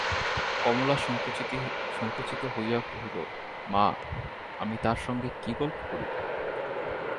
কমলা সংকুচিত হইয়া কহিল, মা, আমি তাঁর সঙ্গে কী গল্প করিব!